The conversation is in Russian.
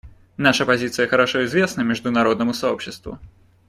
Наша позиция хорошо известна международному сообществу.